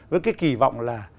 với cái kỳ vọng là